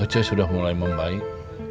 aceh sudah mulai baik